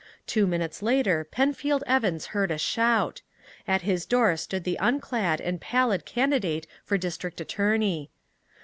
Two minutes later Penfield Evans heard a shout. At his door stood the unclad and pallid candidate for district attorney.